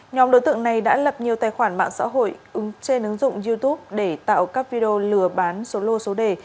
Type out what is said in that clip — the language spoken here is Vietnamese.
nhóm đối tượng này đã lập nhiều tài khoản mạng xã hội trên ứng dụng youtube để tạo các video lừa bán số lô số đề